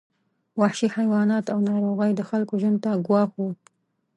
وحشي حیوانات او ناروغۍ د خلکو ژوند ته ګواښ وو.